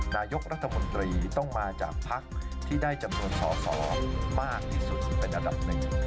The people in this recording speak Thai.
นายกรัฐมนตรีต้องมาจากภักดิ์ที่ได้จำนวนสอสอมากที่สุดเป็นอันดับหนึ่ง